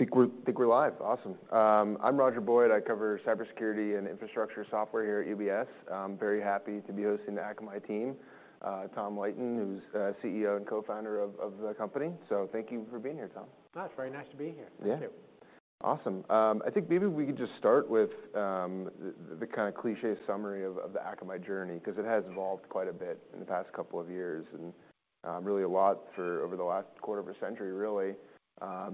I think we're live. Awesome. I'm Roger Boyd. I cover Cybersecurity and Infrastructure Software here at UBS. I'm very happy to be hosting the Akamai team. Tom Leighton, who's CEO and Co-Founder of the company. So thank you for being here, Tom. Ah, it's very nice to be here. Yeah. Awesome. I think maybe we could just start with the kind of cliché summary of the Akamai journey, 'cause it has evolved quite a bit in the past couple of years, and really a lot over the last quarter of a century, really,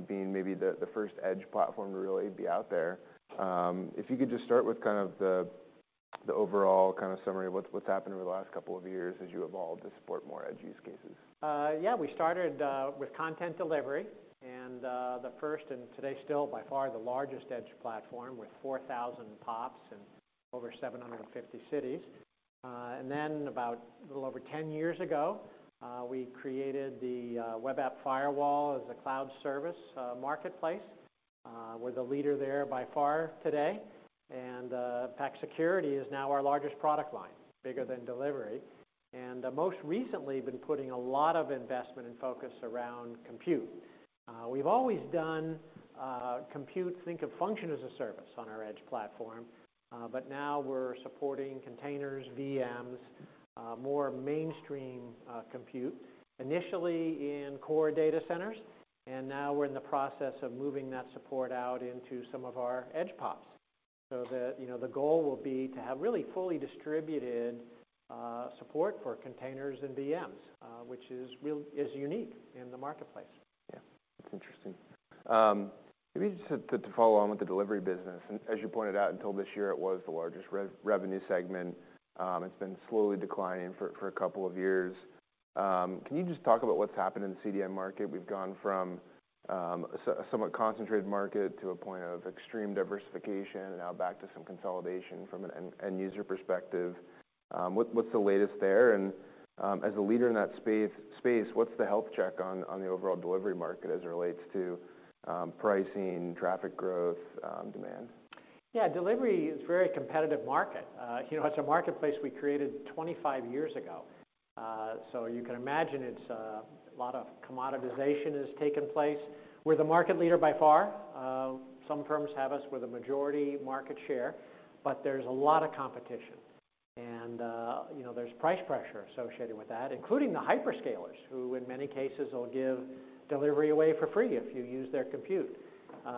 being maybe the first edge platform to really be out there. If you could just start with kind of the overall kind of summary of what's happened over the last couple of years as you evolved to support more edge use cases. Yeah, we started with content delivery and the first, and today still by far, the largest edge platform, with 4,000 POPs in over 750 cities. And then about a little over 10 years ago, we created the web app firewall as a cloud service marketplace. We're the leader there by far today, and API Security is now our largest product line, bigger than delivery. And most recently, we've been putting a lot of investment and focus around compute. We've always done compute, think of function as a service on our edge platform, but now we're supporting containers, VMs, more mainstream compute. Initially, in core data centers, and now we're in the process of moving that support out into some of our edge POPs. So that, you know, the goal will be to have really fully distributed support for containers and VMs, which is unique in the marketplace. Yeah. That's interesting. Maybe just to follow on with the delivery business, and as you pointed out, until this year, it was the largest revenue segment. It's been slowly declining for a couple of years. Can you just talk about what's happened in the CDN market? We've gone from a somewhat concentrated market to a point of extreme diversification and now back to some consolidation from an end user perspective. What's the latest there? And, as a leader in that space, what's the health check on the overall delivery market as it relates to pricing, traffic growth, demand? Yeah, delivery is a very competitive market. You know, it's a marketplace we created 25 years ago. So you can imagine it's a lot of commoditization has taken place. We're the market leader by far. Some firms have us with a majority market share, but there's a lot of competition. And you know, there's price pressure associated with that, including the hyperscalers, who in many cases will give delivery away for free if you use their compute.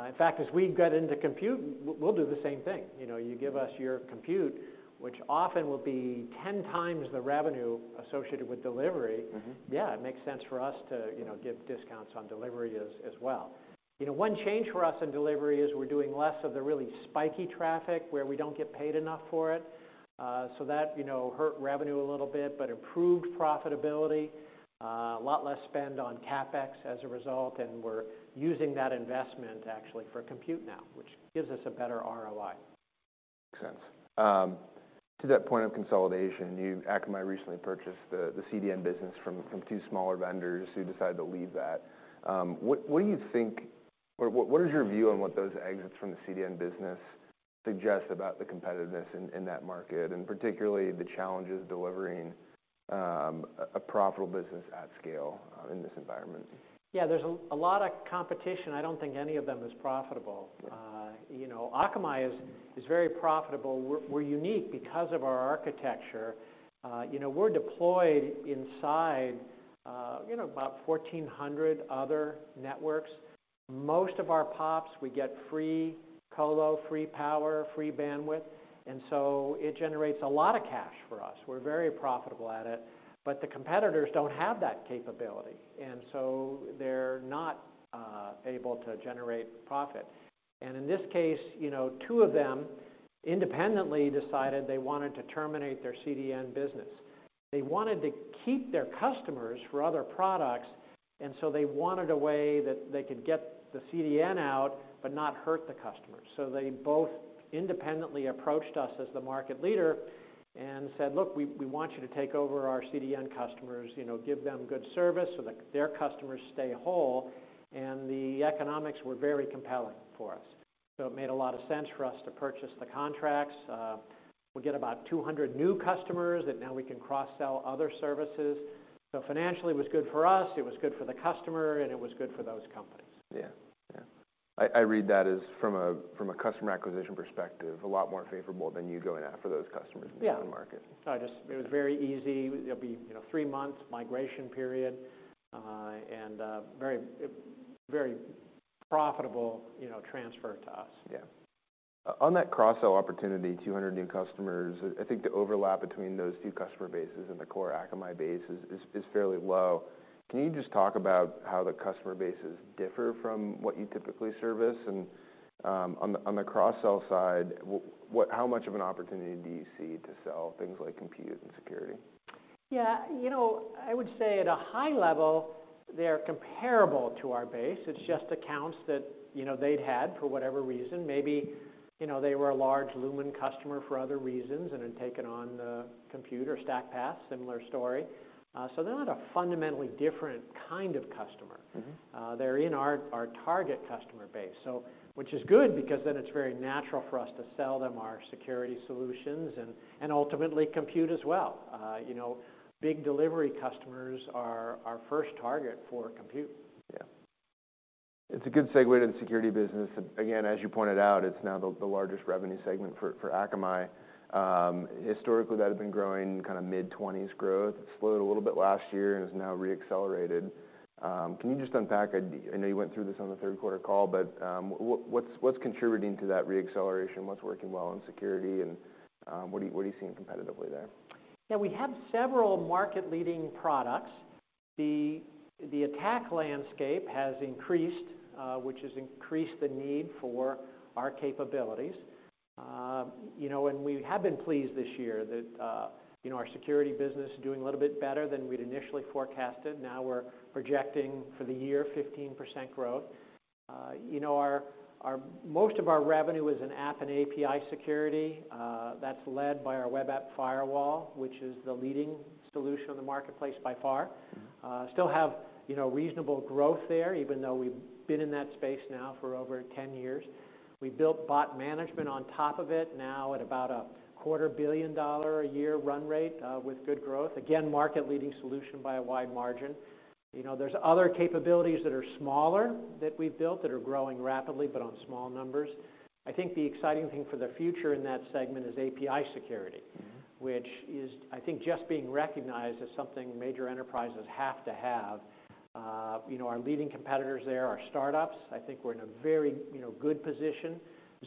In fact, as we get into compute, we'll do the same thing. You know, you give us your compute, which often will be 10x the revenue associated with delivery- Mm-hmm. Yeah, it makes sense for us to, you know, give discounts on delivery as well. You know, one change for us in delivery is we're doing less of the really spiky traffic, where we don't get paid enough for it. So that, you know, hurt revenue a little bit, but improved profitability. A lot less spend on CapEx as a result, and we're using that investment actually for compute now, which gives us a better ROI. Makes sense. To that point of consolidation, Akamai recently purchased the CDN business from two smaller vendors who decided to leave that. What do you think, or what is your view on what those exits from the CDN business suggest about the competitiveness in that market, and particularly the challenges delivering a profitable business at scale, in this environment? Yeah, there's a lot of competition. I don't think any of them is profitable. Yeah. You know, Akamai is very profitable. We're unique because of our architecture. You know, we're deployed inside, you know, about 1,400 other networks. Most of our POPs, we get free colo, free power, free bandwidth, and so it generates a lot of cash for us. We're very profitable at it, but the competitors don't have that capability, and so they're not able to generate profit. And in this case, you know, two of them independently decided they wanted to terminate their CDN business. They wanted to keep their customers for other products, and so they wanted a way that they could get the CDN out but not hurt the customers. So they both independently approached us as the market leader and said, "Look, we want you to take over our CDN customers. You know, give them good service so that their customers stay whole. The economics were very compelling for us. It made a lot of sense for us to purchase the contracts. We get about 200 new customers that now we can cross-sell other services. So financially, it was good for us, it was good for the customer, and it was good for those companies. Yeah. Yeah. I read that as from a customer acquisition perspective, a lot more favorable than you going after those customers- Yeah in the market. It was very easy. It'll be, you know, three months migration period, and very very profitable, you know, transfer to us. Yeah. On that cross-sell opportunity, 200 new customers, I think the overlap between those two customer bases and the core Akamai base is fairly low. Can you just talk about how the customer bases differ from what you typically service? And, on the cross-sell side, what how much of an opportunity do you see to sell things like compute and security? Yeah, you know, I would say at a high level, they are comparable to our base. Yeah. It's just accounts that, you know, they'd had for whatever reason, maybe, you know, they were a large Lumen customer for other reasons and had taken on the compute or StackPath, similar story. So they're not a fundamentally different kind of customer. Mm-hmm. They're in our target customer base, which is good because then it's very natural for us to sell them our security solutions and ultimately compute as well. You know, big delivery customers are our first target for compute. Yeah. It's a good segue to the security business. Again, as you pointed out, it's now the largest revenue segment for Akamai. Historically, that had been growing kind of mid-20s growth. It slowed a little bit last year and has now re-accelerated. Can you just unpack? I know you went through this on the third quarter call, but what's contributing to that re-acceleration? What's working well in security, and what are you seeing competitively there? Yeah, we have several market-leading products. The attack landscape has increased, which has increased the need for our capabilities. You know, we have been pleased this year that, you know, our security business is doing a little bit better than we'd initially forecasted. Now we're projecting for the year, 15% growth. You know, most of our revenue is in app and API security. That's led by our web app firewall, which is the leading solution in the marketplace by far. Mm-hmm. Still have, you know, reasonable growth there, even though we've been in that space now for over 10 years. We built bot management on top of it, now at about a $250 million a year run rate, with good growth. Again, market-leading solution by a wide margin. You know, there's other capabilities that are smaller that we've built, that are growing rapidly but on small numbers. I think the exciting thing for the future in that segment is API security- Mm-hmm... which is, I think, just being recognized as something major enterprises have to have. You know, our leading competitors there are startups. I think we're in a very, you know, good position.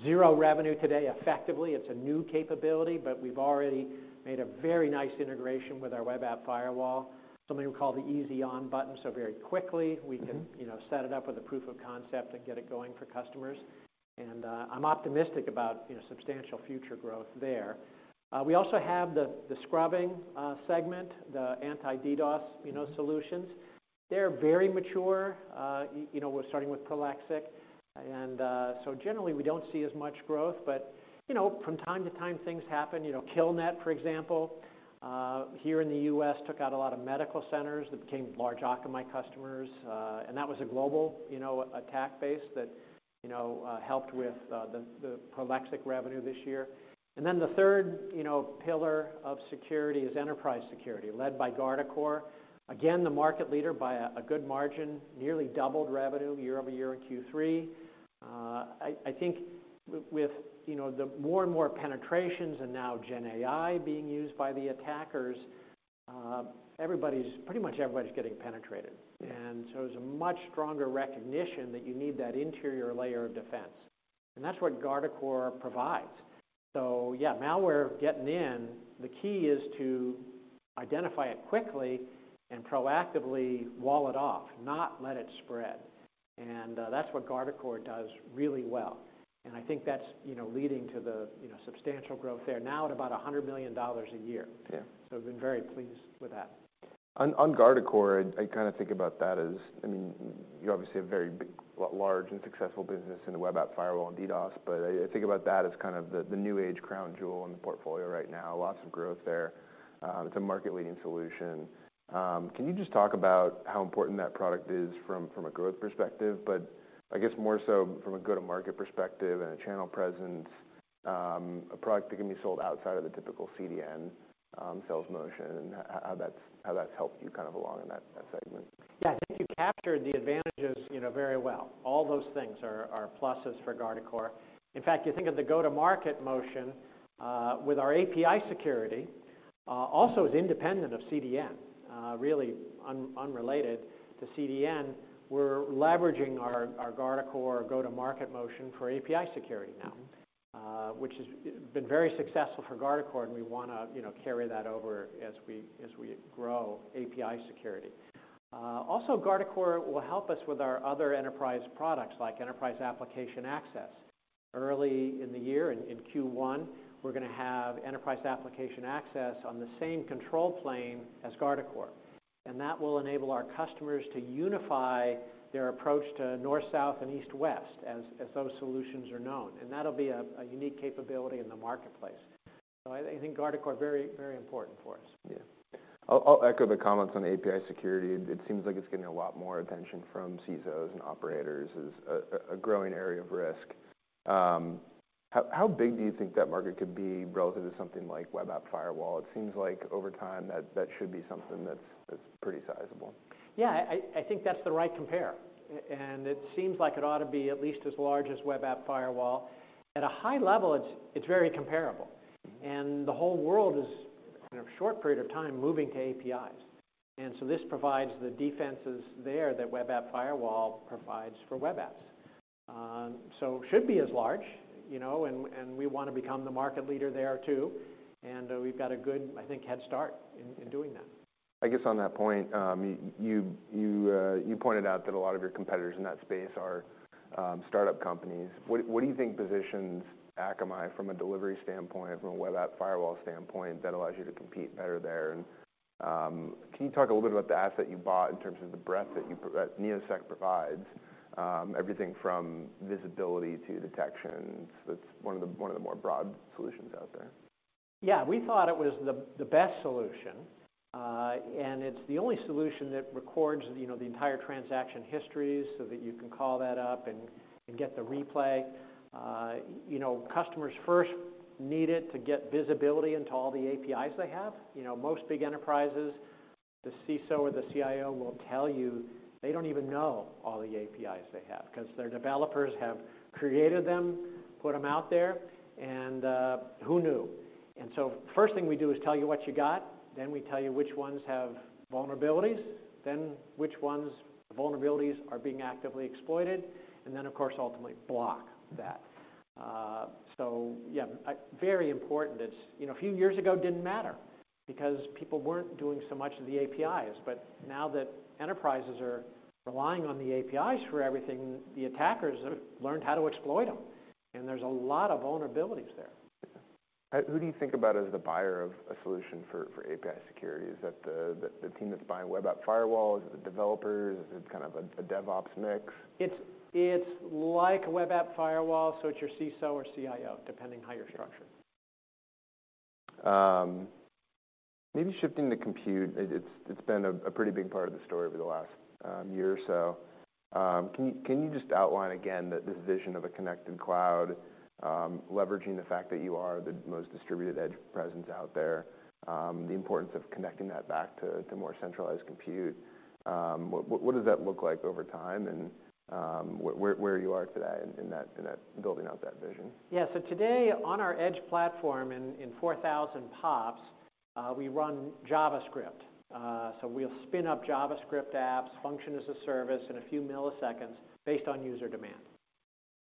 Zero revenue today, effectively. It's a new capability, but we've already made a very nice integration with our web app firewall, something we call the Easy On button. So very quickly- Mm-hmm... we can, you know, set it up with a proof of concept and get it going for customers. And I'm optimistic about, you know, substantial future growth there. We also have the scrubbing segment, the anti-DDoS, you know, solutions. They're very mature. You know, we're starting with Prolexic, and so generally, we don't see as much growth. But, you know, from time to time, things happen. You know, Killnet, for example, here in the U.S., took out a lot of medical centers that became large Akamai customers. And that was a global, you know, attack base that, you know, helped with the Prolexic revenue this year. And then the third, you know, pillar of security is enterprise security, led by Guardicore. Again, the market leader by a good margin, nearly doubled revenue year-over-year in Q3. I think with, you know, the more and more penetrations and now GenAI being used by the attackers, everybody's pretty much everybody's getting penetrated. And so there's a much stronger recognition that you need that interior layer of defense, and that's what Guardicore provides. So yeah, malware getting in, the key is to identify it quickly and proactively wall it off, not let it spread. And that's what Guardicore does really well. And I think that's, you know, leading to the, you know, substantial growth there, now at about $100 million a year. Yeah. We've been very pleased with that. On Guardicore, I kind of think about that as... I mean, you're obviously a very big, large and successful business in the web app firewall and DDoS, but I think about that as kind of the new age crown jewel in the portfolio right now. Lots of growth there. It's a market-leading solution. Can you just talk about how important that product is from a growth perspective, but I guess more so from a go-to-market perspective and a channel presence, a product that can be sold outside of the typical CDN sales motion, and how that's helped you kind of along in that segment? Yeah. I think you captured the advantages, you know, very well. All those things are pluses for Guardicore. In fact, you think of the go-to-market motion with our API security also is independent of CDN. Really unrelated to CDN, we're leveraging our Guardicore go-to-market motion for API security now- Mm-hmm... which has been very successful for Guardicore, and we want to, you know, carry that over as we grow API security. Also, Guardicore will help us with our other enterprise products, like Enterprise Application Access. Early in the year, in Q1, we're gonna have Enterprise Application Access on the same control plane as Guardicore, and that will enable our customers to unify their approach to north-south and east-west, as those solutions are known, and that'll be a unique capability in the marketplace. So I think Guardicore very important for us. Yeah. I'll echo the comments on API security. It seems like it's getting a lot more attention from CISOs and operators as a growing area of risk. How big do you think that market could be relative to something like web app firewall? It seems like over time, that should be something that's pretty sizable. Yeah, I think that's the right compare, and it seems like it ought to be at least as large as web app firewall. At a high level, it's very comparable. The whole world is, in a short period of time, moving to APIs. So this provides the defenses there that web app firewall provides for web apps. So should be as large, you know, and, and we want to become the market leader there, too. We've got a good, I think, head start in, in doing that. I guess on that point, you pointed out that a lot of your competitors in that space are startup companies. What do you think positions Akamai from a delivery standpoint, from a web app firewall standpoint, that allows you to compete better there? And can you talk a little bit about the asset you bought in terms of the breadth that Neosec provides, everything from visibility to detection? That's one of the more broad solutions out there. Yeah, we thought it was the best solution. And it's the only solution that records, you know, the entire transaction history so that you can call that up and get the replay. You know, customers first need it to get visibility into all the APIs they have. You know, most big enterprises, the CISO or the CIO will tell you they don't even know all the APIs they have, 'cause their developers have created them, put them out there, and who knew? And so first thing we do is tell you what you got. Then we tell you which ones have vulnerabilities, then which ones the vulnerabilities are being actively exploited, and then, of course, ultimately block that. So yeah, very important. It's, you know, a few years ago, didn't matter because people weren't doing so much of the APIs, but now that enterprises are relying on the APIs for everything, the attackers have learned how to exploit them, and there's a lot of vulnerabilities there. Who do you think about as the buyer of a solution for API security? Is that the team that's buying web app firewall? Is it the developers? Is it kind of a DevOps mix? It's like a web app firewall, so it's your CISO or CIO, depending how you're structured. Maybe shifting to compute, it's been a pretty big part of the story over the last year or so. Can you just outline again the vision of a Connected Cloud, leveraging the fact that you are the most distributed edge presence out there, the importance of connecting that back to more centralized compute? What does that look like over time, and where you are today in that building out that vision? Yeah. So today, on our edge platform, in 4,000 POPs, we run JavaScript. So we'll spin up JavaScript apps, function as a service in a few milliseconds based on user demand.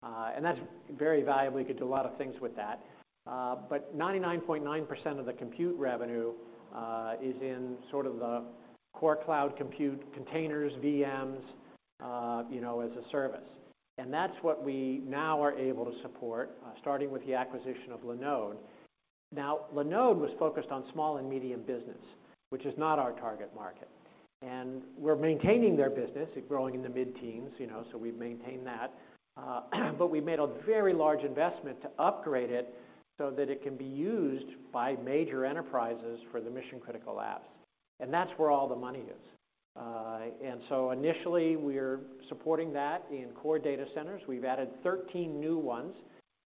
And that's very valuable. You could do a lot of things with that. But 99.9% of the compute revenue is in sort of the core cloud compute containers, VMs, you know, as a service. And that's what we now are able to support, starting with the acquisition of Linode. Now, Linode was focused on small and medium business, which is not our target market, and we're maintaining their business. It's growing in the mid-teens, you know, so we've maintained that. But we made a very large investment to upgrade it so that it can be used by major enterprises for the mission-critical apps, and that's where all the money is. And so initially, we're supporting that in core data centers. We've added 13 new ones.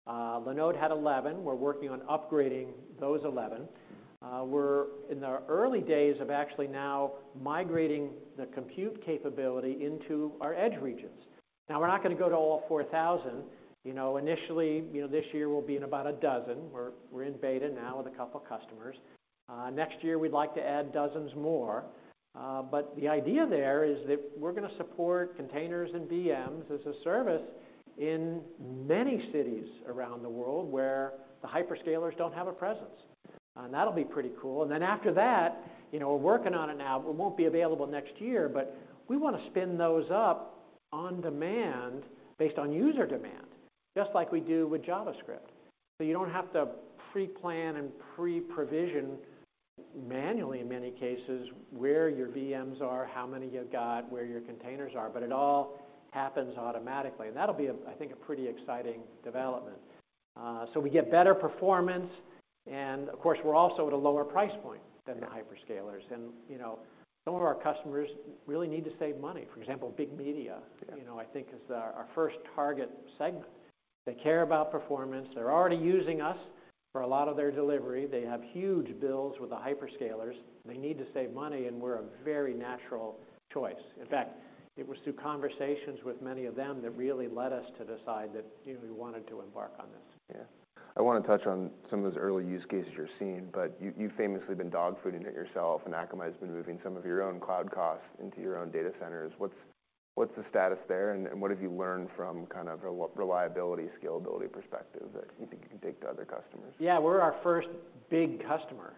Linode had 11. We're working on upgrading those 11. We're in the early days of actually now migrating the compute capability into our edge regions. Now, we're not going to go to all 4,000. You know, initially, you know, this year we'll be in about a dozen. We're in beta now with a couple customers. Next year, we'd like to add dozens more. But the idea there is that we're going to support containers and VMs as a service in many cities around the world where the hyperscalers don't have a presence, and that'll be pretty cool. And then after that, you know, we're working on it now, but it won't be available next year, but we want to spin those up on demand, based on user demand, just like we do with JavaScript. So you don't have to pre-plan and pre-provision manually, in many cases, where your VMs are, how many you've got, where your containers are, but it all happens automatically. And that'll be a, I think, a pretty exciting development. So we get better performance, and of course, we're also at a lower price point than the hyperscalers. And, you know, some of our customers really need to save money. For example, big media- Yeah... you know, I think, is our first target segment. They care about performance. They're already using us for a lot of their delivery. They have huge bills with the hyperscalers. They need to save money, and we're a very natural choice. In fact, it was through conversations with many of them that really led us to decide that, you know, we wanted to embark on this. Yeah. I want to touch on some of those early use cases you're seeing, but you've famously been dogfooding it yourself, and Akamai's been moving some of your own cloud costs into your own data centers. What's the status there, and what have you learned from kind of reliability, scalability perspective that you think you can take to other customers? Yeah, we're our first big customer.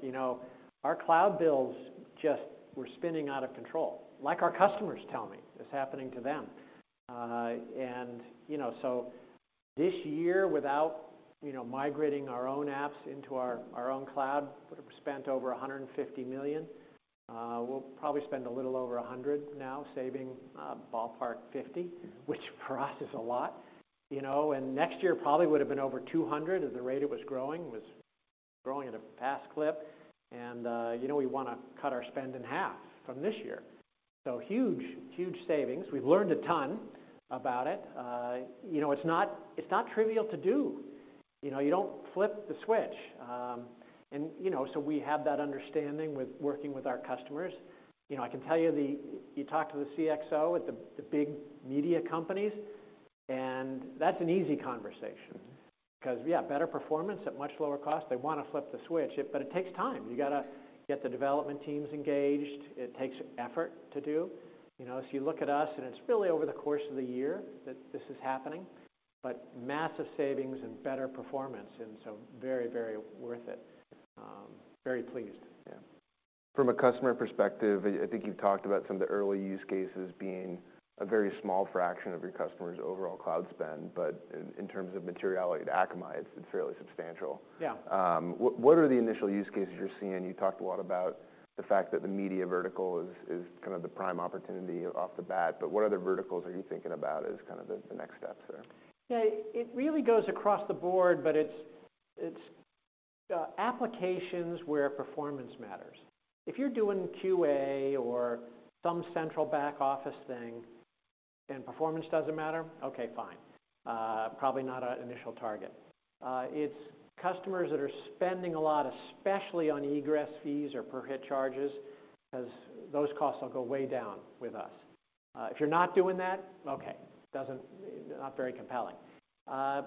You know, our cloud bills just were spinning out of control, like our customers tell me is happening to them. And, you know, so this year, without, you know, migrating our own apps into our, our own cloud, would've spent over $150 million. We'll probably spend a little over $100 million now, saving ballpark $50 million, which for us is a lot. You know, and next year probably would've been over $200 million, as the rate it was growing, was growing at a fast clip. And, you know, we want to cut our spend in half from this year, so huge, huge savings. We've learned a ton about it. You know, it's not, it's not trivial to do. You know, you don't flip the switch. You know, so we have that understanding with working with our customers. You know, I can tell you the... You talk to the CXO at the, the big media companies, and that's an easy conversation. 'Cause, yeah, better performance at much lower cost, they want to flip the switch, but it takes time. You got to get the development teams engaged. It takes effort to do. You know, if you look at us, and it's really over the course of the year that this is happening, but massive savings and better performance, and so very, very worth it. Very pleased. Yeah. From a customer perspective, I think you've talked about some of the early use cases being a very small fraction of your customers' overall cloud spend, but in terms of materiality to Akamai, it's fairly substantial. Yeah. What are the initial use cases you're seeing? You talked a lot about the fact that the media vertical is kind of the prime opportunity off the bat, but what other verticals are you thinking about as kind of the next steps there? Yeah. It really goes across the board, but it's applications where performance matters. If you're doing QA or some central back office thing and performance doesn't matter, okay, fine. Probably not an initial target. It's customers that are spending a lot, especially on egress fees or per hit charges, 'cause those costs will go way down with us. If you're not doing that, okay, not very compelling.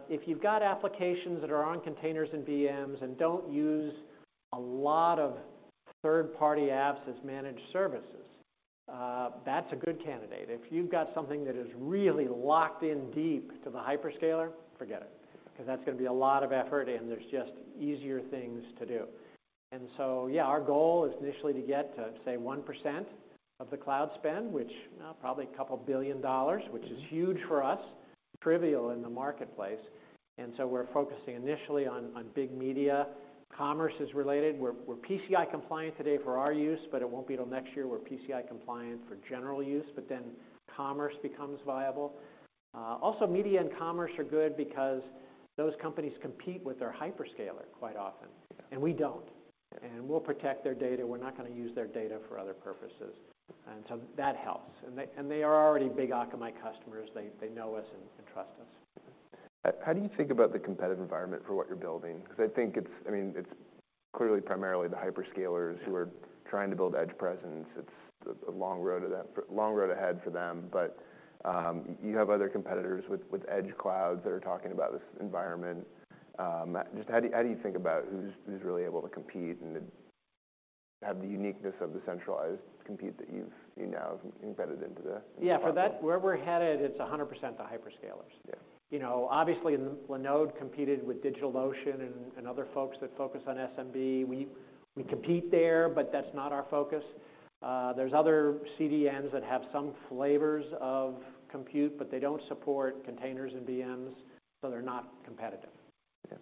If you've got applications that are on containers and VMs and don't use a lot of third-party apps as managed services, that's a good candidate. If you've got something that is really locked in deep to the hyperscaler, forget it, 'cause that's gonna be a lot of effort and there's just easier things to do. Yeah, our goal is initially to get to, say, 1% of the cloud spend, which probably a couple billion dollars, which is huge for us, trivial in the marketplace. We're focusing initially on big media. Commerce is related. We're PCI compliant today for our use, but it won't be till next year we're PCI compliant for general use, but then commerce becomes viable. Also, media and commerce are good because those companies compete with their hyperscaler quite often, and we don't. And we'll protect their data. We're not gonna use their data for other purposes, and so that helps. And they are already big Akamai customers. They know us and trust us. How do you think about the competitive environment for what you're building? 'Cause I think it's... I mean, it's clearly primarily the hyperscalers who are trying to build edge presence. It's a long road to that, long road ahead for them, but you have other competitors with edge clouds that are talking about this environment. Just how do you think about who's really able to compete and have the uniqueness of the centralized compute that you now have embedded into the- Yeah, for that, where we're headed, it's 100% the hyperscalers. Yeah. You know, obviously, Linode competed with DigitalOcean and, and other folks that focus on SMB. We, we compete there, but that's not our focus. There's other CDNs that have some flavors of compute, but they don't support containers and VMs, so they're not competitive. Okay.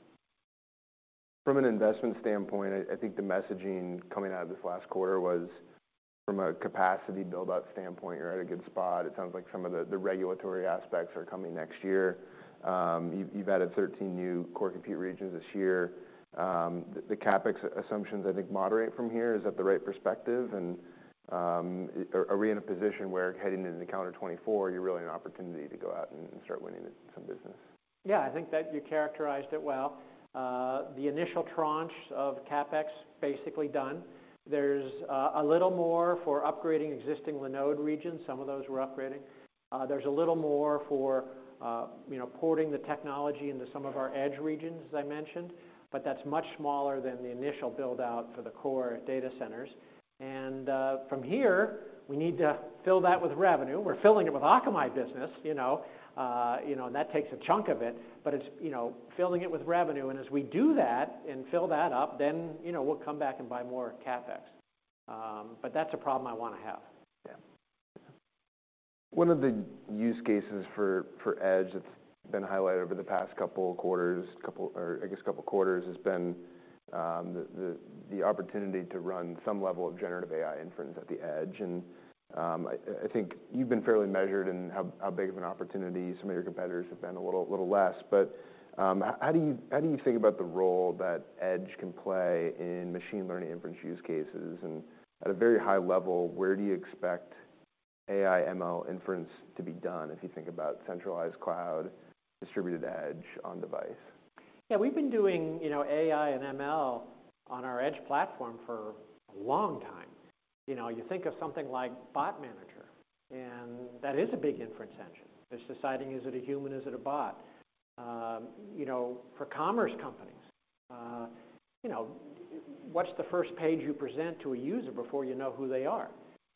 From an investment standpoint, I think the messaging coming out of this last quarter was from a capacity build-out standpoint, you're at a good spot. It sounds like some of the regulatory aspects are coming next year. You've added 13 new core compute regions this year. The CapEx assumptions, I think, moderate from here. Is that the right perspective? And, are we in a position where heading into the calendar 2024, you're really an opportunity to go out and start winning some business? Yeah, I think that you characterized it well. The initial tranche of CapEx, basically done. There's a little more for upgrading existing Linode regions. Some of those we're upgrading. There's a little more for, you know, porting the technology into some of our edge regions, as I mentioned, but that's much smaller than the initial build-out for the core data centers. From here, we need to fill that with revenue. We're filling it with Akamai business, you know, you know, and that takes a chunk of it, but it's, you know, filling it with revenue. And as we do that and fill that up, then, you know, we'll come back and buy more CapEx. But that's a problem I wanna have. Yeah. One of the use cases for edge that's been highlighted over the past couple of quarters has been the opportunity to run some level of generative AI inference at the edge. And I think you've been fairly measured in how big of an opportunity. Some of your competitors have been a little less. But how do you think about the role that edge can play in machine learning inference use cases? And at a very high level, where do you expect AI/ML inference to be done, if you think about centralized cloud, distributed edge on device? Yeah, we've been doing, you know, AI and ML on our edge platform for a long time. You know, you think of something like Bot Manager, and that is a big inference engine. It's deciding, is it a human, is it a bot? You know, for commerce companies, you know, what's the first page you present to a user before you know who they are?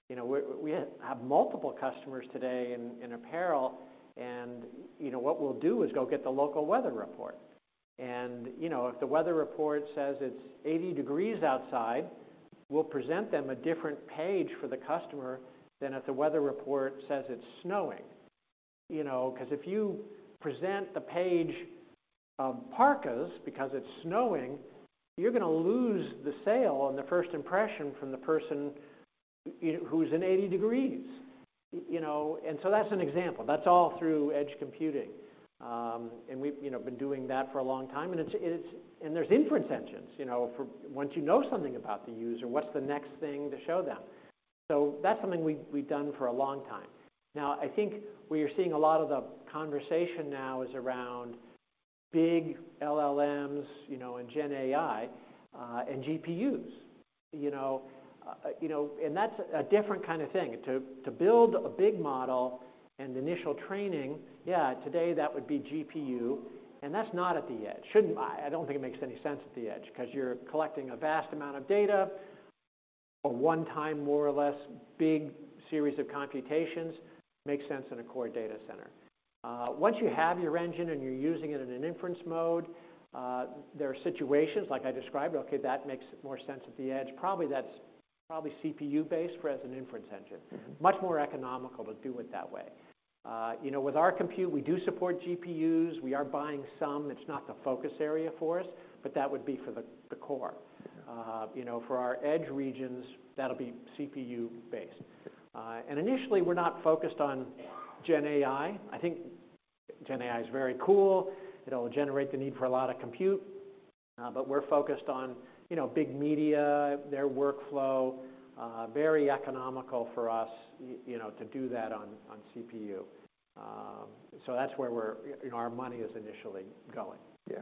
You know, we have multiple customers today in apparel, and you know, what we'll do is go get the local weather report. You know, if the weather report says it's 80 degrees outside, we'll present them a different page for the customer than if the weather report says it's snowing. You know, 'cause if you present the page of parkas because it's snowing, you're gonna lose the sale on the first impression from the person, you know, who's in 80 degrees. You know, and so that's an example. That's all through edge computing. And we've, you know, been doing that for a long time, and it's... And there's inference engines, you know, for once you know something about the user, what's the next thing to show them? So that's something we've done for a long time. Now, I think where you're seeing a lot of the conversation now is around big LLMs, you know, and GenAI, and GPUs. You know, you know, and that's a different kind of thing. To build a big model and initial training, yeah, today that would be GPU, and that's not at the edge. Shouldn't... I, I don't think it makes any sense at the edge, 'cause you're collecting a vast amount of data. A one-time, more or less, big series of computations makes sense in a core data center. Once you have your engine and you're using it in an inference mode, there are situations like I described, okay, that makes more sense at the edge. Probably, that's probably CPU-based whereas an inference engine. Much more economical to do it that way. You know, with our compute, we do support GPUs. We are buying some. It's not the focus area for us, but that would be for the, the core. You know, for our edge regions, that'll be CPU-based. And initially, we're not focused on GenAI. I think... GenAI is very cool. It'll generate the need for a lot of compute, but we're focused on, you know, big media, their workflow. Very economical for us, you know, to do that on, on CPU. So that's where we're, you know, our money is initially going. Yeah,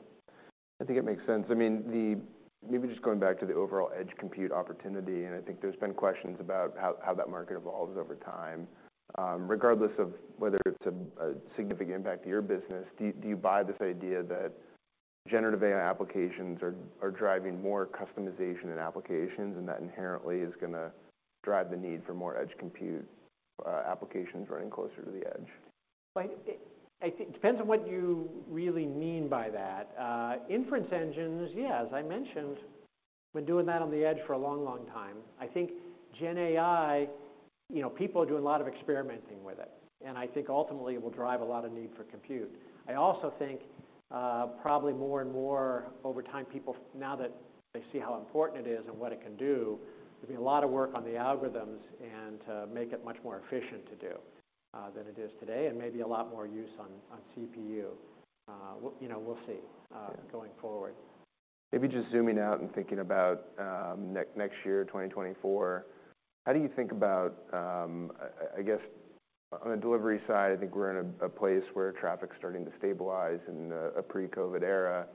I think it makes sense. I mean, maybe just going back to the overall edge compute opportunity, and I think there's been questions about how that market evolves over time. Regardless of whether it's a significant impact to your business, do you buy this idea that generative AI applications are driving more customization in applications, and that inherently is gonna drive the need for more edge compute applications running closer to the edge? Well, I think it depends on what you really mean by that. Inference engines, yeah, as I mentioned, been doing that on the edge for a long, long time. I think GenAI, you know, people are doing a lot of experimenting with it, and I think ultimately, it will drive a lot of need for compute. I also think, probably more and more over time, people—now that they see how important it is and what it can do, there'll be a lot of work on the algorithms and to make it much more efficient to do than it is today, and maybe a lot more use on, on CPU. You know, we'll see, going forward. Maybe just zooming out and thinking about next year, 2024. How do you think about... I guess, on the delivery side, I think we're in a place where traffic's starting to stabilize in a pre-COVID era.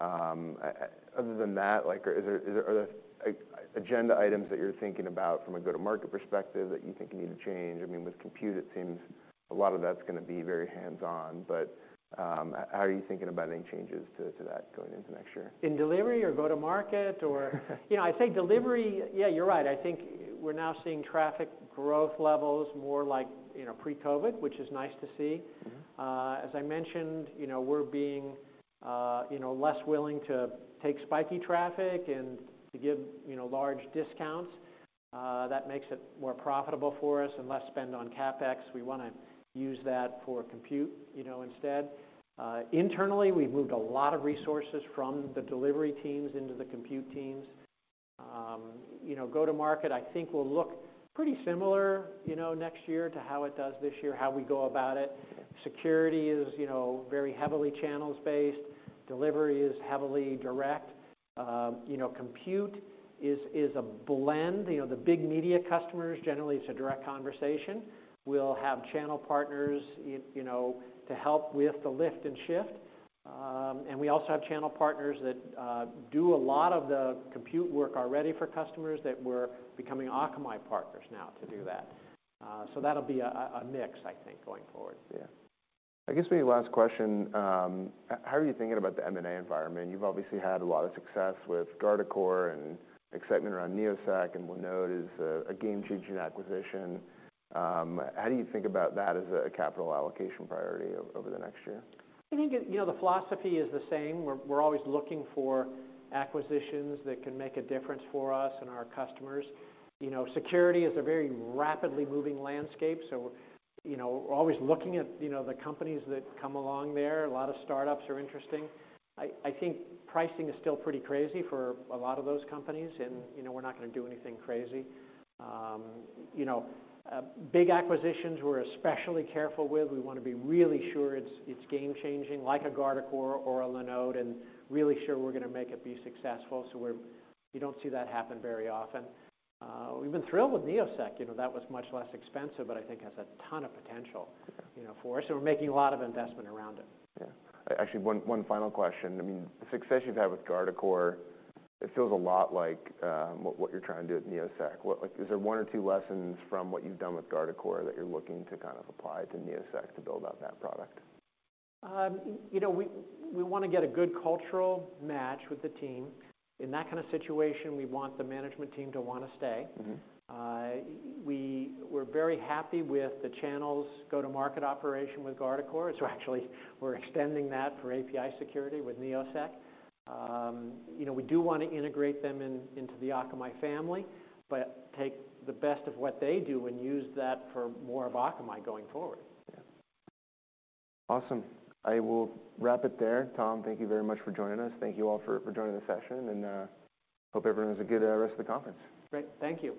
Other than that, like, is there, are there, like, agenda items that you're thinking about from a go-to-market perspective that you think you need to change? I mean, with Compute, it seems a lot of that's gonna be very hands-on, but how are you thinking about any changes to that going into next year? In delivery or go-to-market, or? You know, I'd say delivery, yeah, you're right. I think we're now seeing traffic growth levels more like, you know, pre-COVID, which is nice to see. Mm-hmm. As I mentioned, you know, we're being, you know, less willing to take spiky traffic and to give, you know, large discounts. That makes it more profitable for us and less spend on CapEx. We want to use that for compute, you know, instead. Internally, we've moved a lot of resources from the delivery teams into the compute teams. You know, go-to-market, I think, will look pretty similar, you know, next year to how it does this year, how we go about it. Security is, you know, very heavily channels-based. Delivery is heavily direct. You know, compute is a blend. You know, the big media customers, generally, it's a direct conversation. We'll have channel partners, you know, to help with the lift and shift. And we also have channel partners that do a lot of the compute work already for customers that we're becoming Akamai partners now to do that. So that'll be a mix, I think, going forward. Yeah. I guess, maybe last question. How are you thinking about the M&A environment? You've obviously had a lot of success with Guardicore and excitement around Neosec, and Linode is a game-changing acquisition. How do you think about that as a capital allocation priority over the next year? I think, you know, the philosophy is the same. We're always looking for acquisitions that can make a difference for us and our customers. You know, security is a very rapidly moving landscape, so, you know, we're always looking at, you know, the companies that come along there. A lot of startups are interesting. I think pricing is still pretty crazy for a lot of those companies and, you know, we're not gonna do anything crazy. You know, big acquisitions, we're especially careful with. We want to be really sure it's game-changing, like a Guardicore or a Linode, and really sure we're gonna make it be successful. So we're. You don't see that happen very often. We've been thrilled with Neosec. You know, that was much less expensive, but I think has a ton of potential. You know, for us, so we're making a lot of investment around it. Yeah. Actually, one final question. I mean, the success you've had with Guardicore, it feels a lot like what you're trying to do at Neosec. Like, is there one or two lessons from what you've done with Guardicore that you're looking to kind of apply to Neosec to build out that product? You know, we want to get a good cultural match with the team. In that kind of situation, we want the management team to want to stay. Mm-hmm. We're very happy with the channels' go-to-market operation with Guardicore, so actually, we're extending that for API security with Neosec. You know, we do want to integrate them in, into the Akamai family, but take the best of what they do and use that for more of Akamai going forward. Yeah. Awesome. I will wrap it there. Tom, thank you very much for joining us. Thank you all for joining the session, and hope everyone has a good rest of the conference. Great. Thank you.